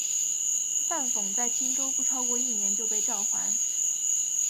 范讽在青州不超过一年就被召还。